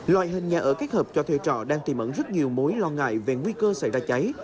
loại hình nhà ở kết hợp cho thuê trọ đang tìm ẩn rất nhiều mối lo ngại về nguy cơ xảy ra cháy